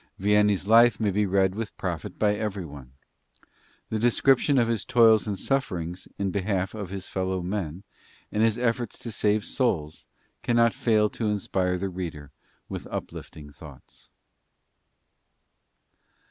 Vianney's life may be read with profit by everyone. The descriptions of his toils and sufferings in behalf of his fellow men, and his efforts to save souls, cannot fail to inspire the reader with uplifting thoughts. ALBERT A. LINGS. CONTENTS.